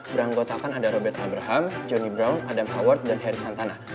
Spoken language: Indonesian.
beranggotakan ada robert abraham johnny bram adam howard dan harry santana